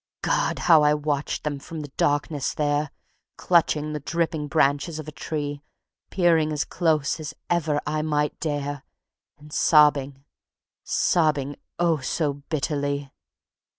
God! how I watched them from the darkness there, Clutching the dripping branches of a tree, Peering as close as ever I might dare, And sobbing, sobbing, oh, so bitterly!